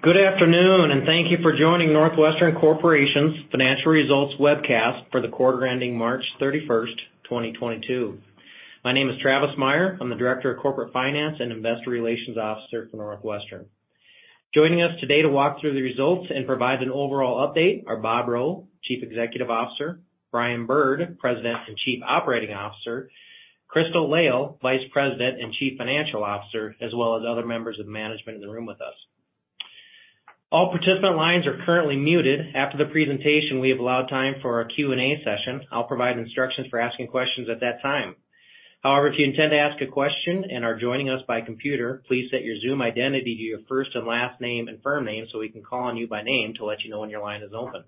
Good afternoon, and thank you for joining NorthWestern Corporation's Financial Results Webcast for the Quarter Ending March 31, 2022. My name is Travis Meyer. I'm the Director of Corporate Finance and Investor Relations Officer for NorthWestern. Joining us today to walk through the results and provide an overall update are Bob Rowe, Chief Executive Officer, Brian Bird, President and Chief Operating Officer, Crystal Lail, Vice President and Chief Financial Officer, as well as other members of management in the room with us. All participant lines are currently muted. After the presentation, we have allowed time for our Q&A session. I'll provide instructions for asking questions at that time. However, if you intend to ask a question and are joining us by computer, please set your Zoom identity to your first and last name and firm name so we can call on you by name to let you know when your line is open.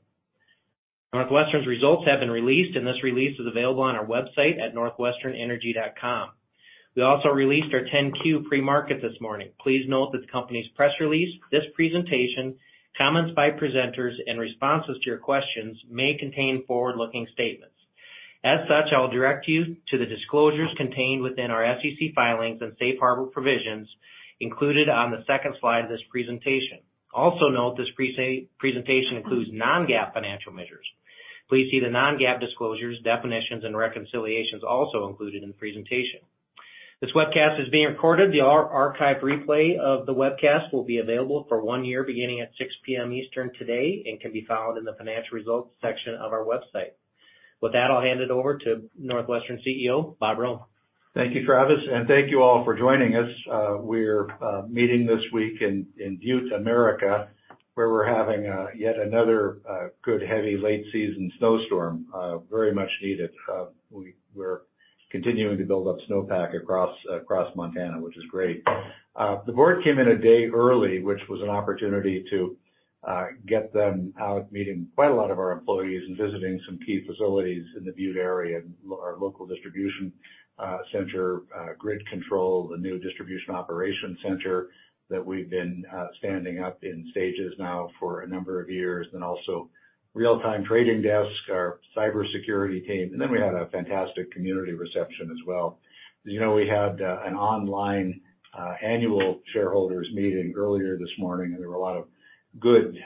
NorthWestern's results have been released, and this release is available on our website at northwesternenergy.com. We also released our 10-Q pre-market this morning. Please note that the company's press release, this presentation, comments by presenters, and responses to your questions may contain forward-looking statements. As such, I'll direct you to the disclosures contained within our SEC filings and Safe Harbor provisions included on the second slide of this presentation. Also note this presentation includes non-GAAP financial measures. Please see the non-GAAP disclosures, definitions, and reconciliations also included in the presentation. This webcast is being recorded. The archived replay of the webcast will be available for one year beginning at 6 P.M. Eastern today and can be found in the Financial Results section of our website. With that, I'll hand it over to NorthWestern Energy CEO, Bob Rowe. Thank you, Travis, and thank you all for joining us. We're meeting this week in Butte, Montana, where we're having yet another good, heavy late season snowstorm, very much needed. We're continuing to build up snowpack across Montana, which is great. The board came in a day early, which was an opportunity to get them out meeting quite a lot of our employees and visiting some key facilities in the Butte area and our local distribution center, grid control, the new distribution operation center that we've been standing up in stages now for a number of years, and also real-time trading desk, our cybersecurity team. Then we had a fantastic community reception as well. As you know, we had an online annual shareholders meeting earlier this morning, and there were a lot of good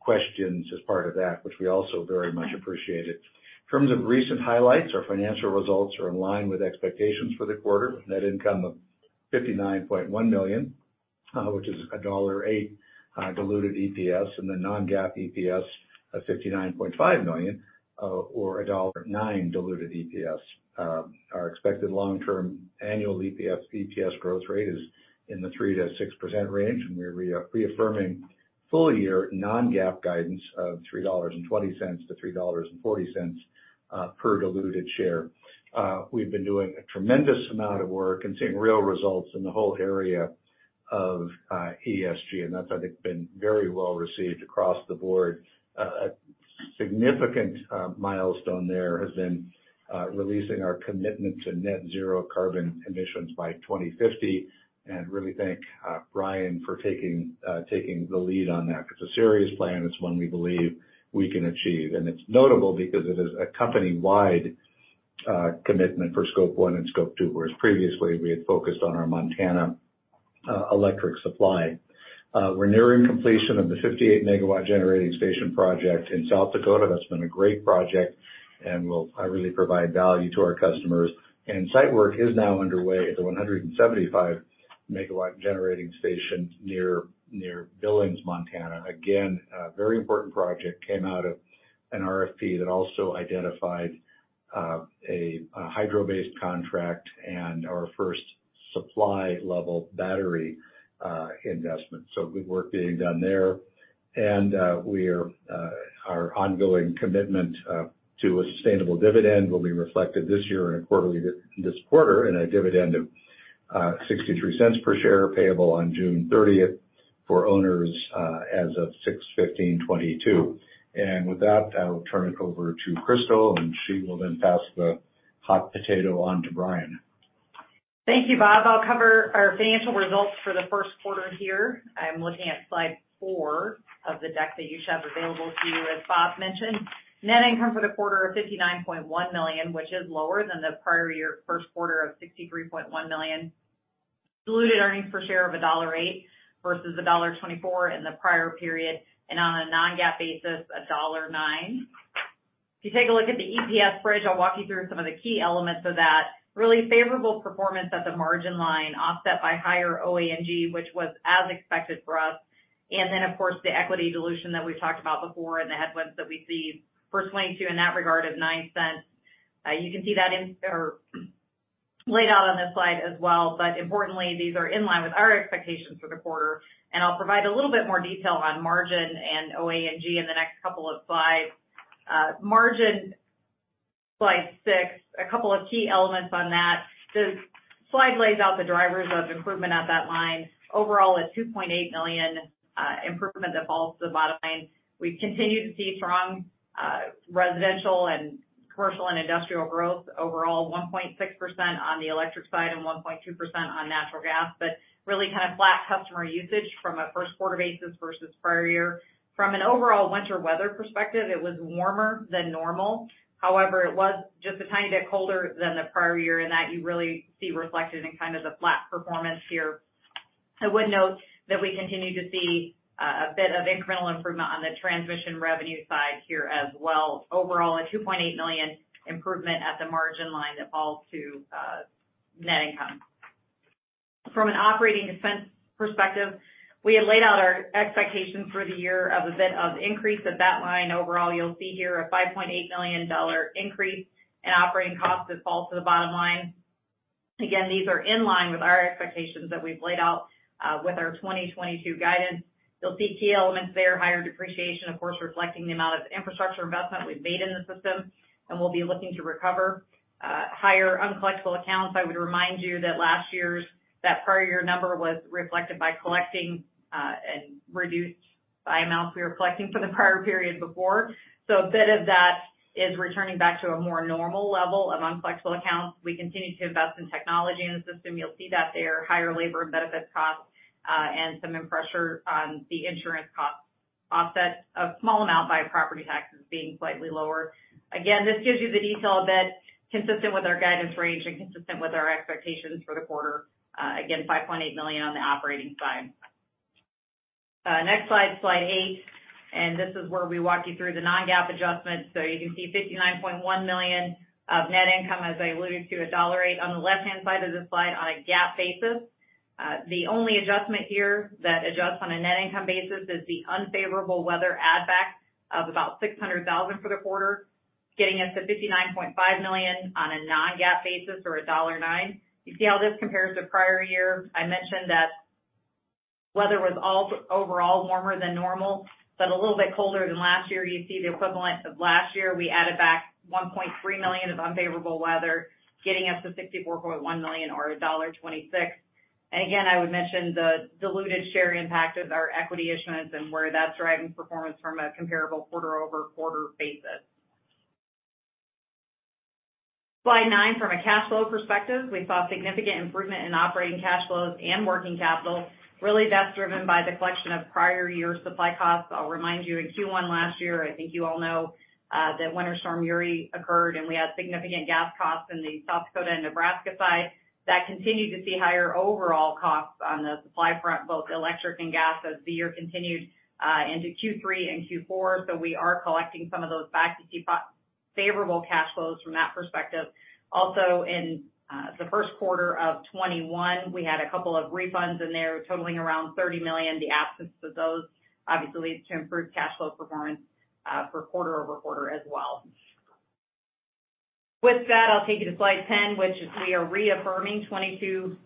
questions as part of that, which we also very much appreciated. In terms of recent highlights, our financial results are in line with expectations for the quarter. Net income of $59.1 million, which is $1.08 diluted EPS, and the non-GAAP net income of $59.5 million, or $1.09 diluted EPS. Our expected long-term annual EPS growth rate is in the 3%-6% range, and we're reaffirming full-year non-GAAP guidance of $3.20-$3.40 per diluted share. We've been doing a tremendous amount of work and seeing real results in the whole area of ESG, and that's, I think, been very well received across the board. A significant milestone there has been releasing our commitment to net zero carbon emissions by 2050, and really thank Brian for taking the lead on that. It's a serious plan. It's one we believe we can achieve. It's notable because it is a company-wide commitment for Scope 1 and Scope 2, whereas previously we had focused on our Montana electric supply. We're nearing completion of the 58 MW generating station project in South Dakota. That's been a great project and will really provide value to our customers. Site work is now underway at the 175 MW generating station near Billings, Montana. Again, a very important project came out of an RFP that also identified a hydro-based contract and our first supply-level battery investment. Good work being done there. We are our ongoing commitment to a sustainable dividend will be reflected this year in this quarter in a dividend of $0.63 per share payable on June thirtieth for owners as of 6/15/2022. With that, I'll turn it over to Crystal, and she will then pass the hot potato on to Brian. Thank you, Bob. I'll cover our financial results for the first quarter here. I'm looking at slide 4 of the deck that you should have available to you, as Bob mentioned. Net income for the quarter of $59.1 million, which is lower than the prior year first quarter of $63.1 million. Diluted earnings per share of $1.08 versus $1.24 in the prior period, and on a non-GAAP basis, $1.09. If you take a look at the EPS bridge, I'll walk you through some of the key elements of that. Really favorable performance at the margin line offset by higher OA&G, which was as expected for us. Of course, the equity dilution that we've talked about before and the headwinds that we see for 2022 in that regard of $0.09. You can see that or laid out on this slide as well. Importantly, these are in line with our expectations for the quarter, and I'll provide a little bit more detail on margin and OA&G in the next couple of slides. Margin, slide six, a couple of key elements on that. The slide lays out the drivers of improvement at that line. Overall, a $2.8 million improvement that falls to the bottom line. We continue to see strong residential and commercial and industrial growth. Overall, 1.6% on the electric side and 1.2% on natural gas. Really kind of flat customer usage from a first quarter basis versus prior year. From an overall winter weather perspective, it was warmer than normal. However, it was just a tiny bit colder than the prior year, and that you really see reflected in kind of the flat performance here. I would note that we continue to see a bit of incremental improvement on the transmission revenue side here as well. Overall, a $2.8 million improvement at the margin line that falls to net income. From an operating expense perspective, we had laid out our expectations for the year of a bit of increase at that line. Overall, you'll see here a $5.8 million increase in operating costs that fall to the bottom line. Again, these are in line with our expectations that we've laid out with our 2022 guidance. You'll see key elements there. Higher depreciation, of course, reflecting the amount of infrastructure investment we've made in the system and we'll be looking to recover. Higher uncollectible accounts. I would remind you that that prior year number was reflected by collecting, and reduced by amounts we were collecting from the prior period before. So a bit of that is returning back to a more normal level of uncollectible accounts. We continue to invest in technology in the system. You'll see that there. Higher labor and benefits costs, and some pressure on the insurance costs, offset a small amount by property taxes being slightly lower. Again, this gives you the detail a bit consistent with our guidance range and consistent with our expectations for the quarter. Again, $5.8 million on the operating side. Next slide eight. This is where we walk you through the non-GAAP adjustments. You can see $59.1 million of net income, as I alluded to, $1.08 on the left-hand side of this slide on a GAAP basis. The only adjustment here that adjusts on a net income basis is the unfavorable weather add back of about $600,000 for the quarter, getting us to $59.5 million on a non-GAAP basis or $1.09. You see how this compares to prior year. I mentioned that weather was overall warmer than normal, but a little bit colder than last year. You see the equivalent of last year, we added back $1.3 million of unfavorable weather, getting us to $64.1 million or $1.26. And again, I would mention the diluted share impact of our equity issuance and where that's driving performance from a comparable quarter-over-quarter basis. Slide nine. From a cash flow perspective, we saw significant improvement in operating cash flows and working capital. Really, that's driven by the collection of prior year supply costs. I'll remind you, in Q1 last year, I think you all know, that Winter Storm Uri occurred, and we had significant gas costs in the South Dakota and Nebraska side. That continued to see higher overall costs on the supply front, both electric and gas, as the year continued, into Q3 and Q4. We are collecting some of those back. You see favorable cash flows from that perspective. Also, in, the first quarter of 2021, we had a couple of refunds in there totaling around $30 million. The absence of those obviously leads to improved cash flow performance, for quarter-over-quarter as well. With that, I'll take you to slide 10, which is we are reaffirming 2022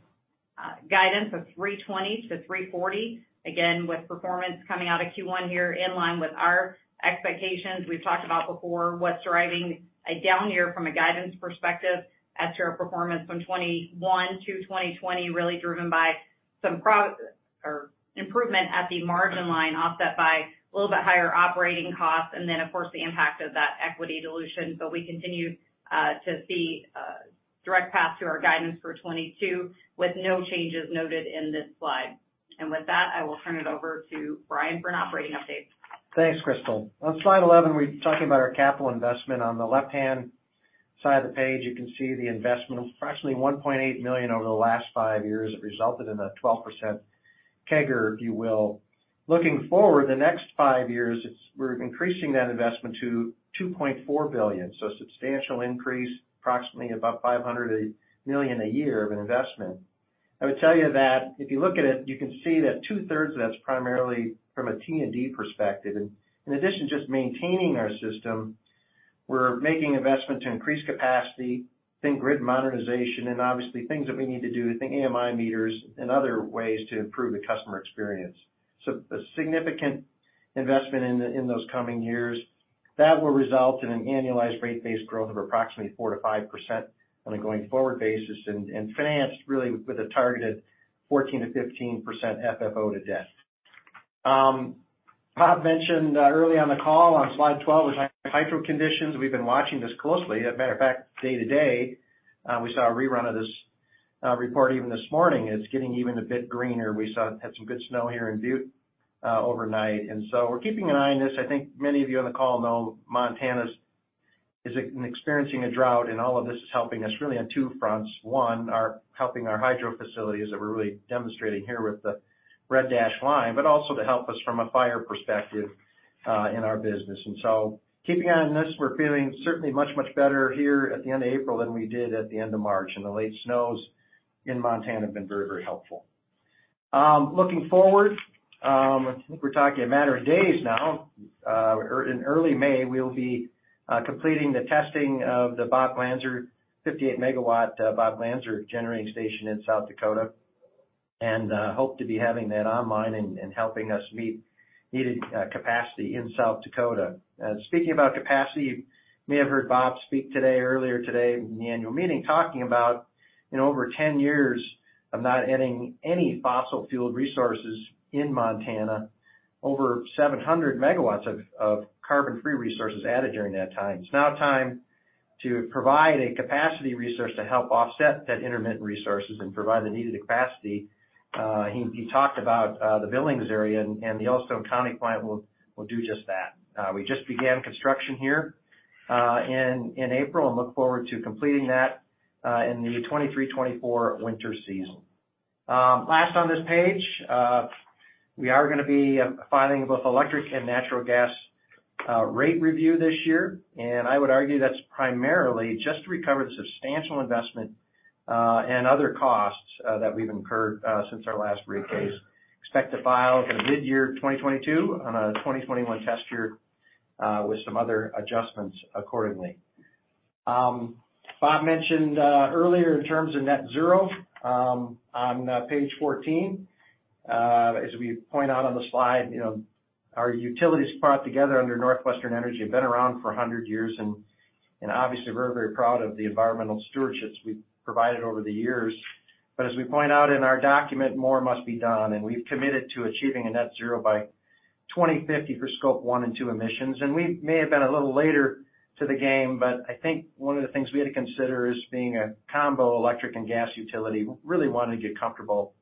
guidance of $3.20-$3.40. Again, with performance coming out of Q1 here in line with our expectations. We've talked about before what's driving a down year from a guidance perspective as to our performance from 2021 to 2022, really driven by some improvement at the margin line, offset by a little bit higher operating costs, and then, of course, the impact of that equity dilution. We continue to see a direct path to our guidance for 2022, with no changes noted in this slide. With that, I will turn it over to Brian for an operating update. Thanks, Crystal. On slide 11, we're talking about our capital investment. On the left-hand side of the page, you can see the investment of approximately $1.8 million over the last five years. It resulted in a 12% CAGR, if you will. Looking forward, the next five years, it's, we're increasing that investment to $2.4 billion. A substantial increase, approximately $500 million a year of investment. I would tell you that if you look at it, you can see that two-thirds of that's primarily from a T&D perspective. In addition to just maintaining our system, we're making investments to increase capacity, think grid modernization, and obviously things that we need to do, think AMI meters and other ways to improve the customer experience. A significant investment in those coming years. That will result in an annualized rate-based growth of approximately 4%-5% on a going forward basis and financed really with a targeted 14%-15% FFO to debt. Bob mentioned early on the call on slide 12 was hydro conditions. We've been watching this closely. A matter of fact, day to day, we saw a rerun of this report even this morning, and it's getting even a bit greener. We had some good snow here in Butte overnight. We're keeping an eye on this. I think many of you on the call know Montana is experiencing a drought, and all of this is helping us really on two fronts. One are helping our hydro facilities that we're really demonstrating here with the red dashed line, but also to help us from a fire perspective in our business. Keeping an eye on this, we're feeling certainly much better here at the end of April than we did at the end of March. The late snows in Montana have been very helpful. Looking forward, I think we're talking a matter of days now in early May, we'll be completing the testing of the Bob Glanzer 58 MW Bob Glanzer Generating Station in South Dakota, and hope to be having that online and helping us meet needed capacity in South Dakota. Speaking about capacity, you may have heard Bob speak today, earlier today in the annual meeting, talking about in over 10 years of not adding any fossil-fueled resources in Montana, over 700 MW of carbon free resources added during that time. It's now time to provide a capacity resource to help offset that intermittent resources and provide the needed capacity. He talked about the Billings area and the Yellowstone County plant will do just that. We just began construction here in April and look forward to completing that in the 2023-2024 winter season. Last on this page, we are gonna be filing both electric and natural gas rate review this year. I would argue that's primarily just to recover the substantial investment and other costs that we've incurred since our last rate case. Expect to file for midyear 2022 on a 2021 test year with some other adjustments accordingly. Bob mentioned earlier in terms of net zero on page 14. As we point out on the slide, you know, our utilities brought together under NorthWestern Energy have been around for 100 years, and obviously we're very proud of the environmental stewardships we've provided over the years. But as we point out in our document, more must be done, and we've committed to achieving a net zero by 2050 for Scope 1 and Scope 2 emissions. We may have been a little later to the game, but I think one of the things we had to consider is being a combo electric and gas utility. We really wanna get comfortable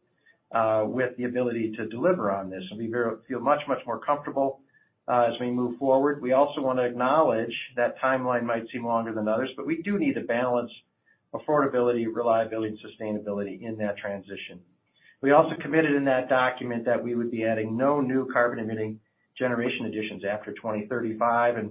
with the ability to deliver on this, and we feel much, much more comfortable as we move forward. We also wanna acknowledge that timeline might seem longer than others, but we do need to balance affordability, reliability, and sustainability in that transition. We also committed in that document that we would be adding no new carbon-emitting generation additions after 2035.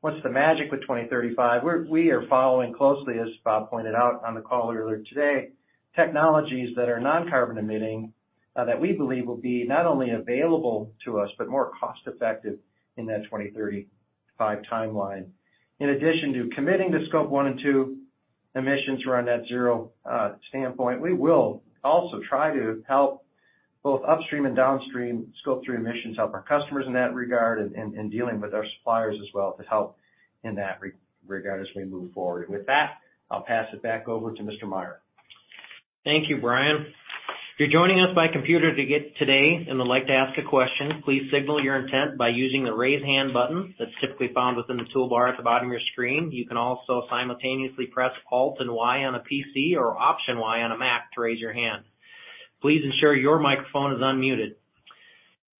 What's the magic with 2035? We are following closely, as Bob pointed out on the call earlier today, technologies that are non-carbon emitting that we believe will be not only available to us, but more cost-effective in that 2035 timeline. In addition to committing to Scope 1 and 2 emissions around net zero standpoint, we will also try to help both upstream and downstream Scope 3 emissions, help our customers in that regard, and dealing with our suppliers as well to help in that regard as we move forward. With that, I'll pass it back over to Mr. Meyer. Thank you, Brian. If you're joining us by computer today and would like to ask a question, please signal your intent by using the Raise Hand button that's typically found within the toolbar at the bottom of your screen. You can also simultaneously press Alt and Y on a PC or Option Y on a Mac to raise your hand. Please ensure your microphone is unmuted.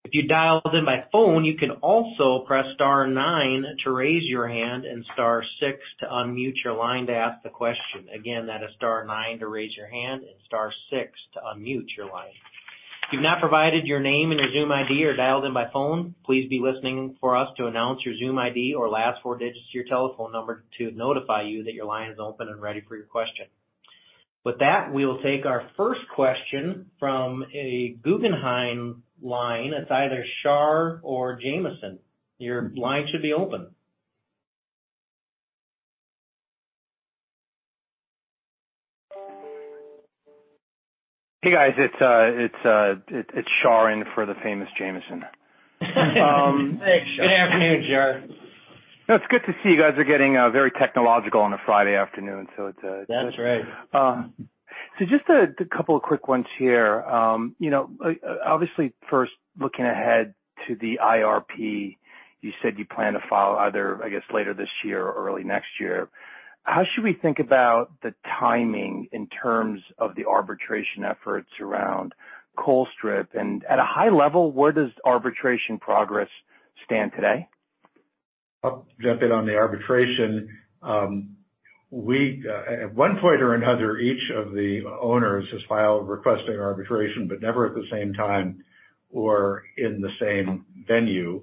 If you dialed in by phone, you can also press star nine to raise your hand and star six to unmute your line to ask the question. Again, that is star nine to raise your hand and star six to unmute your line. If you've not provided your name and your Zoom ID or dialed in by phone, please be listening for us to announce your Zoom ID or last four digits to your telephone number to notify you that your line is open and ready for your question. With that, we'll take our first question from a Guggenheim line. It's either Shar or Jamieson. Your line should be open. Hey, guys. It's Shar in for the famous Jamieson. Thanks, Shar. Good afternoon, Shar. No, it's good to see you guys are getting very technological on a Friday afternoon, so it's. That's right. Just a couple of quick ones here. You know, obviously first looking ahead to the IRP, you said you plan to file either, I guess, later this year or early next year. How should we think about the timing in terms of the arbitration efforts around Colstrip? At a high level, where does arbitration progress stand today? I'll jump in on the arbitration. We at one point or another, each of the owners has filed requesting arbitration, but never at the same time or in the same venue.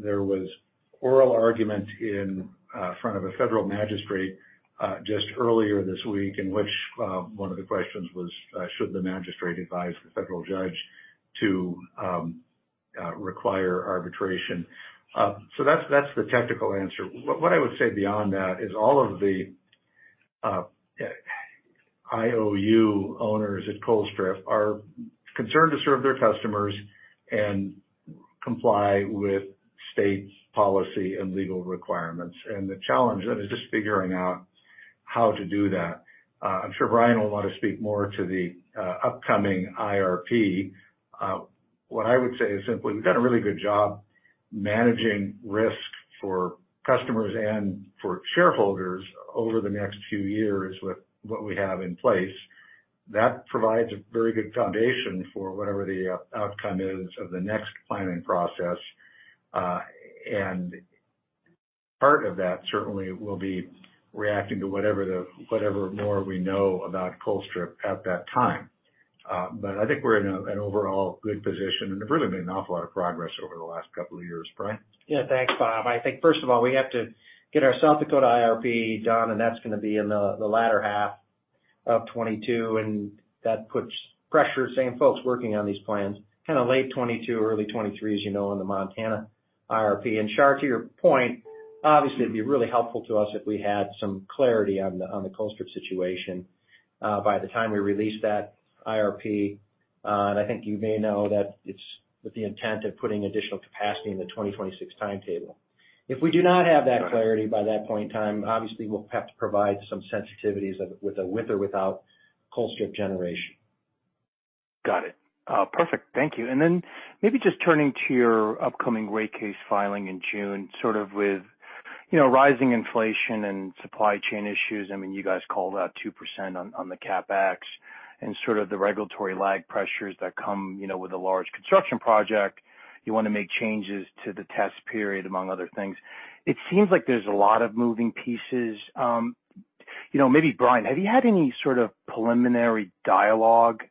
There was oral argument in front of a federal magistrate just earlier this week, in which one of the questions was, should the magistrate advise the federal judge to require arbitration? So that's the technical answer. What I would say beyond that is all of the IOU owners at Colstrip are concerned to serve their customers and comply with state policy and legal requirements. The challenge then is just figuring out how to do that. I'm sure Brian will want to speak more to the upcoming IRP. What I would say is simply, we've done a really good job managing risk for customers and for shareholders over the next few years with what we have in place. That provides a very good foundation for whatever the outcome is of the next planning process. Part of that certainly will be reacting to whatever more we know about Colstrip at that time. I think we're in an overall good position, and there's really been an awful lot of progress over the last couple of years. Brian? Yeah. Thanks, Bob. I think first of all, we have to get our South Dakota IRP done, and that's gonna be in the latter half of 2022. That puts pressure, same folks working on these plans, kinda late 2022, early 2023, as you know, in the Montana IRP. Shar, to your point, obviously it'd be really helpful to us if we had some clarity on the Colstrip situation by the time we release that IRP. I think you may know that it's with the intent of putting additional capacity in the 2026 timetable. If we do not have that. Got it. clarity by that point in time, obviously we'll have to provide some sensitivities with or without Colstrip generation. Got it. Perfect. Thank you. Maybe just turning to your upcoming rate case filing in June, sort of with, you know, rising inflation and supply chain issues. I mean, you guys called out 2% on the CapEx. Sort of the regulatory lag pressures that come, you know, with a large construction project. You want to make changes to the test period, among other things. It seems like there's a lot of moving pieces. You know, maybe Brian, have you had any sort of preliminary dialogue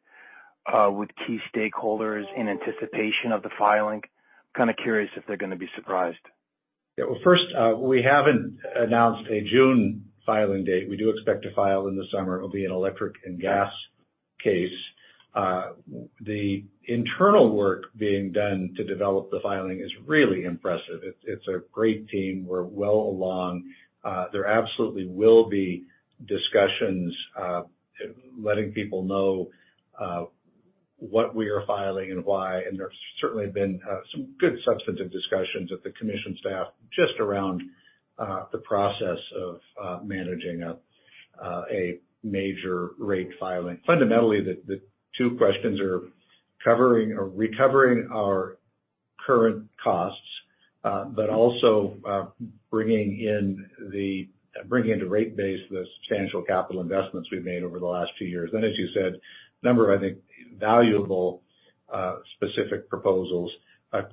with key stakeholders in anticipation of the filing? I'm kind of curious if they're going to be surprised. Yeah. Well, first, we haven't announced a June filing date. We do expect to file in the summer. It will be an electric and gas case. The internal work being done to develop the filing is really impressive. It's a great team. We're well along. There absolutely will be discussions, letting people know, what we are filing and why. There's certainly been some good substantive discussions with the commission staff just around the process of managing a major rate filing. Fundamentally, the two questions are covering or recovering our current costs, but also bringing into rate base the substantial capital investments we've made over the last few years. As you said, a number of, I think, valuable specific proposals.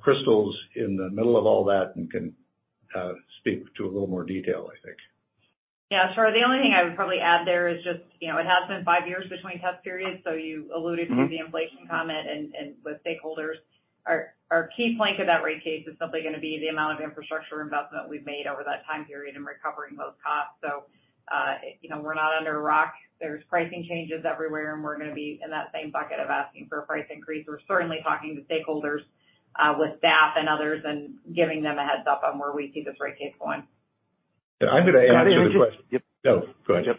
Crystal's in the middle of all that and can speak to a little more detail, I think. Yeah. The only thing I would probably add there is just, you know, it has been five years between test periods, so you alluded- Mm-hmm. To the inflation comment and with stakeholders. Our key plank of that rate case is simply going to be the amount of infrastructure investment we've made over that time period and recovering those costs. You know, we're not under a rock. There's pricing changes everywhere, and we're going to be in that same bucket of asking for a price increase. We're certainly talking to stakeholders with staff and others and giving them a heads up on where we see this rate case going. I'm going to answer the question. I think. Go ahead.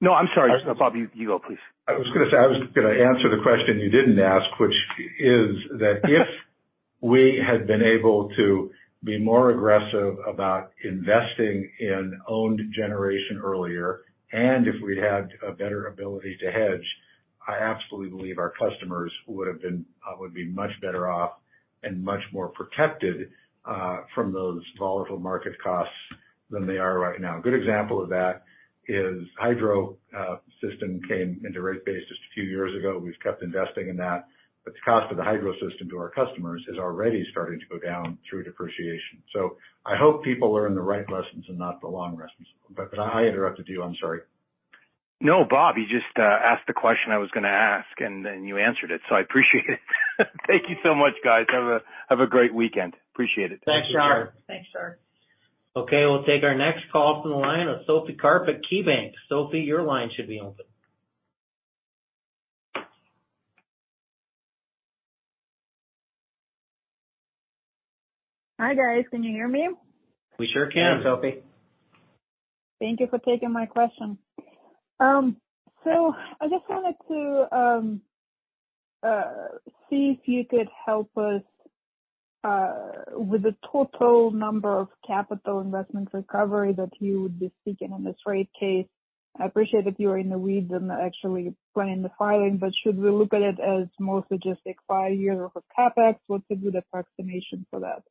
No, I'm sorry, Bob. You go, please. I was going to say, I was going to answer the question you didn't ask, which is that if we had been able to be more aggressive about investing in owned generation earlier and if we'd had a better ability to hedge, I absolutely believe our customers would be much better off and much more protected from those volatile market costs than they are right now. A good example of that is hydro system came into rate base just a few years ago. We've kept investing in that. The cost of the hydro system to our customers is already starting to go down through depreciation. I hope people learn the right lessons and not the wrong lessons. I interrupted you. I'm sorry. No, Bob, you just asked the question I was going to ask, and you answered it, so I appreciate it. Thank you so much, guys. Have a great weekend. Appreciate it. Thanks, Shar. Thanks, Shar. Okay, we'll take our next call from the line of Sophie Karp at KeyBanc. Sophie, your line should be open. Hi, guys. Can you hear me? We sure can, Sophie. Thank you for taking my question. I just wanted to see if you could help us with the total number of capital investment recovery that you would be seeking in this rate case. I appreciate if you are in the weeds in actually planning the filing. Should we look at it as more like five years of CapEx? What's a good approximation for that?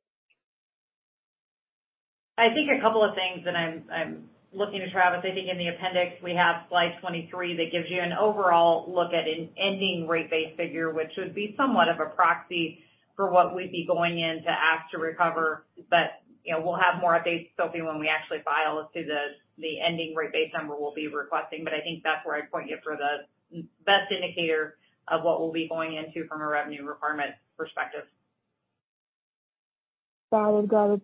I think a couple of things, and I'm looking to Travis. I think in the appendix we have slide 23 that gives you an overall look at an ending rate base figure, which would be somewhat of a proxy for what we'd be going in to ask to recover. You know, we'll have more updates, Sophie, when we actually file as to the ending rate base number we'll be requesting. I think that's where I'd point you for the best indicator of what we'll be going into from a revenue requirement perspective. Got it.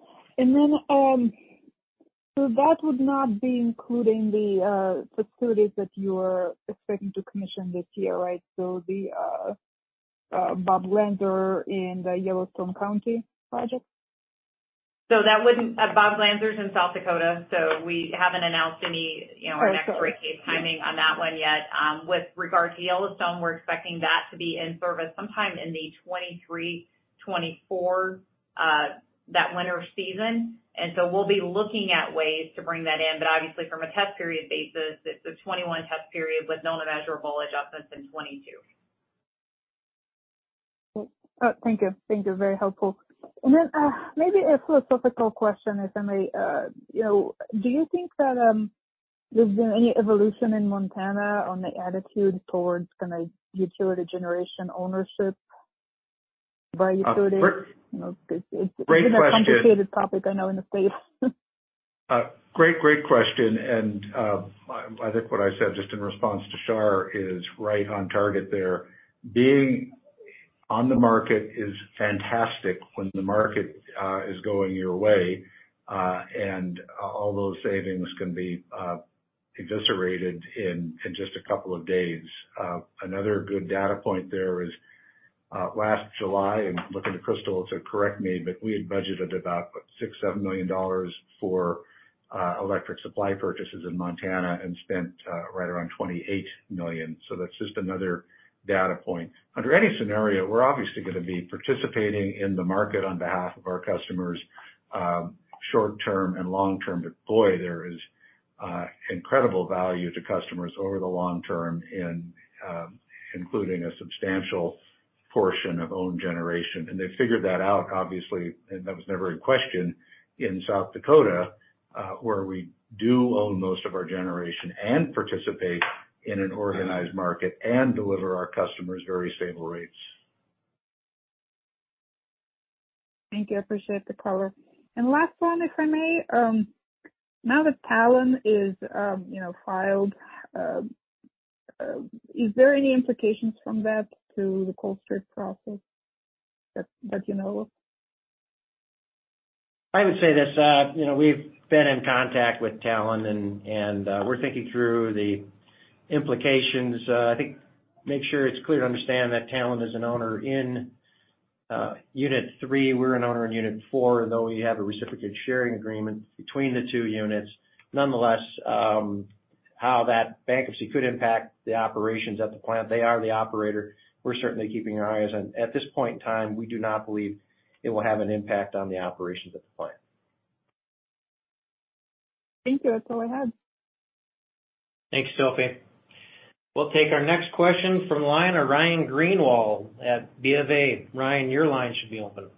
That would not be including the facilities that you are expecting to commission this year, right? The Bob Landreth and the Yellowstone County project. That wouldn't—Bob Landreth in South Dakota. We haven't announced any, you know, next rate case timing on that one yet. With regard to Yellowstone, we're expecting that to be in service sometime in the 2023/2024 winter season. We'll be looking at ways to bring that in. But obviously from a test period basis, it's a 2021 test period with no imputable adjustments in 2022. Oh, thank you. Thank you. Very helpful. Then, maybe a philosophical question, if I may. You know, do you think that there's been any evolution in Montana on the attitude towards kind of utility generation ownership by utilities? Great question. It's been a complicated topic, I know, in the space. Great question. I think what I said, just in response to Shar, is right on target there. Being on the market is fantastic when the market is going your way. All those savings can be eviscerated in just a couple of days. Another good data point there is last July, and looking to Crystal to correct me, but we had budgeted about what? $6-$7 million for electric supply purchases in Montana and spent right around $28 million. That's just another data point. Under any scenario, we're obviously going to be participating in the market on behalf of our customers, short-term and long-term. Boy, there is incredible value to customers over the long term in including a substantial portion of own generation. They figured that out, obviously, and that was never in question in South Dakota, where we do own most of our generation and participate in an organized market and deliver our customers very stable rates. Thank you. I appreciate the color. Last one, if I may. Now that Talen is, you know, filed, is there any implications from that to the Colstrip process that you know of? I would say this. You know, we've been in contact with Talen and we're thinking through the implications. I think make sure it's clear to understand that Talen is an owner in Unit 3. We're an owner in Unit 4, though we have a reciprocal sharing agreement between the two units. Nonetheless, how that bankruptcy could impact the operations at the plant. They are the operator. We're certainly keeping our eyes on. At this point in time, we do not believe it will have an impact on the operations of the plant. Thank you. That's all I had. Thanks, Sophie. We'll take our next question from the line of Ryan Greenwald at BofA. Ryan, your line should be open.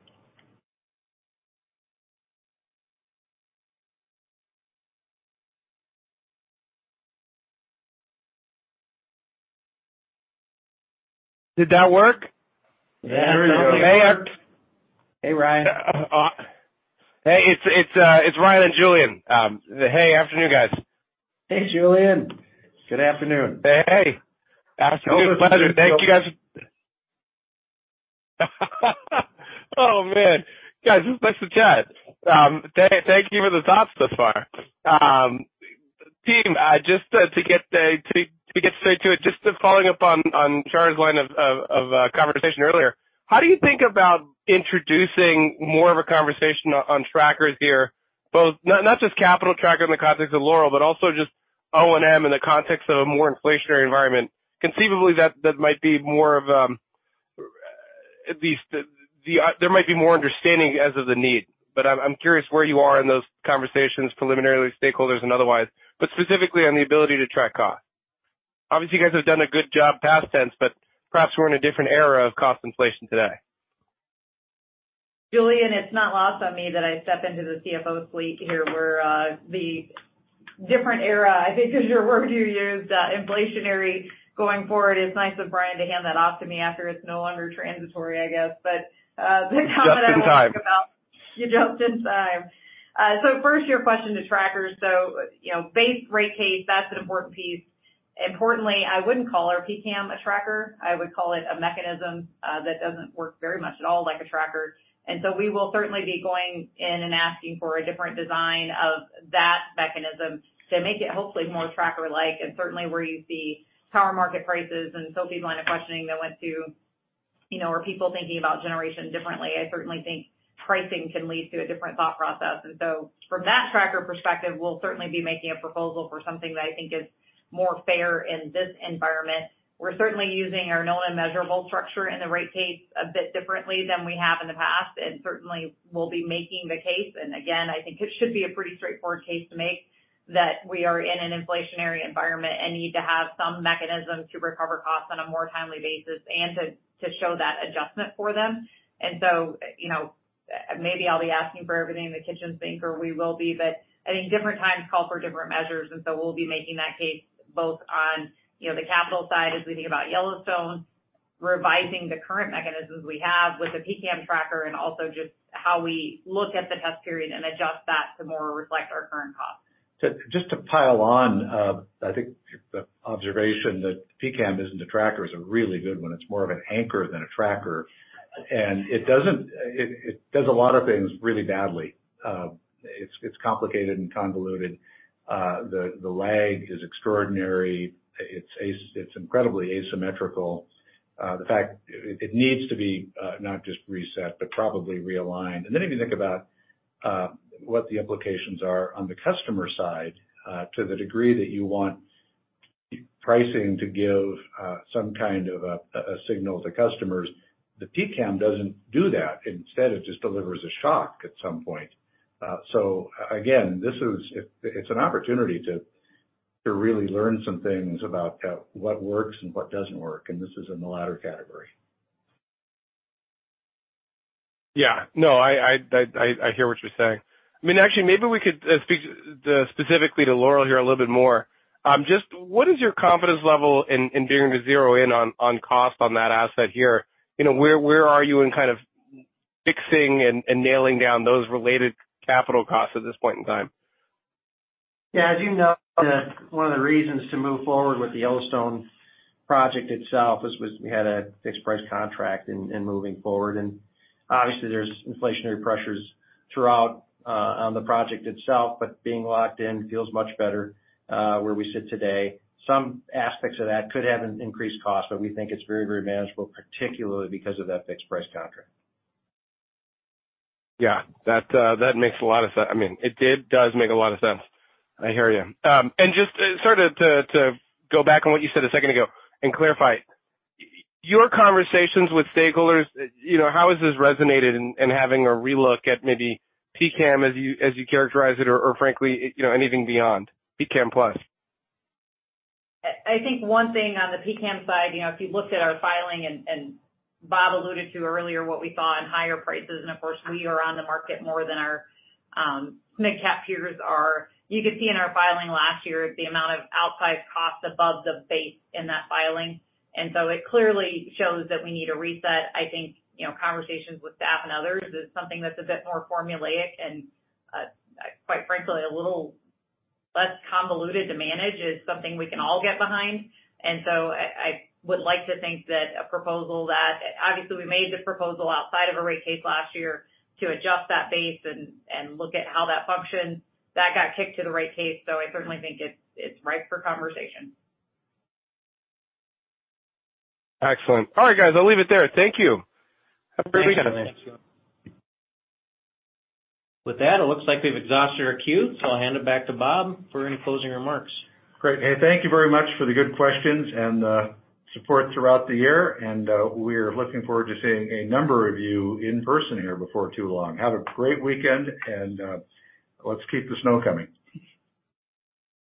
Did that work? Yeah. There we go. It worked. Hey, Ryan. Hey, it's Ryan and Julian. Hey, afternoon, guys. Hey, Julian. Good afternoon. Hey. Absolute pleasure. Oh, man. Guys, let's chat. Thank you for the thoughts so far. Team, just to get straight to it, just following up on Shar's line of conversation earlier. How do you think about introducing more of a conversation on trackers here, both not just capital tracker in the context of Laurel, but also just O&M in the context of a more inflationary environment. Conceivably, that might be more of at least there might be more understanding as to the need. I'm curious where you are in those conversations, preliminarily, stakeholders and otherwise, but specifically on the ability to track cost. Obviously, you guys have done a good job past tense, but perhaps we're in a different era of cost inflation today. Julian, it's not lost on me that I step into the CFO suite here, where the different era, I think is your word you used, inflationary going forward. It's nice of Brian to hand that off to me after it's no longer transitory, I guess. The comment I want to make about- You're just in time. You're just in time. First, your question to trackers. You know, base rate case, that's an important piece. Importantly, I wouldn't call our PCAM a tracker. I would call it a mechanism that doesn't work very much at all like a tracker. We will certainly be going in and asking for a different design of that mechanism to make it hopefully more tracker-like and certainly where you see power market prices and Sophie's line of questioning that went to, you know, are people thinking about generation differently? I certainly think pricing can lead to a different thought process. From that tracker perspective, we'll certainly be making a proposal for something that I think is more fair in this environment. We're certainly using our known and measurable structure in the rate case a bit differently than we have in the past, and certainly we'll be making the case. Again, I think it should be a pretty straightforward case to make that we are in an inflationary environment and need to have some mechanism to recover costs on a more timely basis and to show that adjustment for them. You know, maybe I'll be asking for everything in the kitchen sink, or we will be, but I think different times call for different measures, and so we'll be making that case both on, you know, the capital side as we think about Yellowstone, revising the current mechanisms we have with the PCAM tracker, and also just how we look at the test period and adjust that to more reflect our current costs. Just to pile on, I think the observation that PCAM isn't a tracker is a really good one. It's more of an anchor than a tracker. It does a lot of things really badly. It's complicated and convoluted. The lag is extraordinary. It's incredibly asymmetrical. The fact it needs to be not just reset, but probably realigned. If you think about what the implications are on the customer side, to the degree that you want pricing to give some kind of a signal to customers, the PCAM doesn't do that. Instead, it just delivers a shock at some point. Again, this is an opportunity to really learn some things about what works and what doesn't work, and this is in the latter category. Yeah. No, I hear what you're saying. I mean, actually maybe we could speak specifically to Laurel here a little bit more. Just what is your confidence level in being able to zero in on cost on that asset here? You know, where are you in kind of fixing and nailing down those related capital costs at this point in time? Yeah. As you know, one of the reasons to move forward with the Yellowstone project itself is we had a fixed price contract and moving forward. Obviously there's inflationary pressures throughout on the project itself, but being locked in feels much better where we sit today. Some aspects of that could have an increased cost, but we think it's very, very manageable, particularly because of that fixed price contract. Yeah. That makes a lot of sense. I mean, it did, does make a lot of sense. I hear you. Just sort of to go back on what you said a second ago and clarify. Your conversations with stakeholders, you know, how has this resonated in having a relook at maybe PCAM as you characterize it or frankly, you know, anything beyond PCAM plus? I think one thing on the PCAM side, you know, if you looked at our filing, and Bob alluded to earlier what we saw in higher prices, and of course, we are on the market more than our midcap peers are. You could see in our filing last year the amount of outsized costs above the base in that filing. It clearly shows that we need a reset. I think, you know, conversations with staff and others is something that's a bit more formulaic and, quite frankly, a little less convoluted to manage is something we can all get behind. I would like to think that a proposal. Obviously, we made the proposal outside of a rate case last year to adjust that base and look at how that functioned. That got kicked to the rate case. I certainly think it's ripe for conversation. Excellent. All right, guys, I'll leave it there. Thank you. Have a great weekend. With that, it looks like we've exhausted our queue, so I'll hand it back to Bob for any closing remarks. Great. Hey, thank you very much for the good questions and, support throughout the year. We're looking forward to seeing a number of you in person here before too long. Have a great weekend and, let's keep the snow coming.